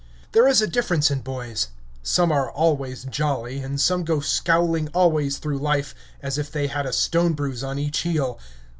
There is a difference in boys: some are always jolly, and some go scowling always through life as if they had a stone bruise on each heel.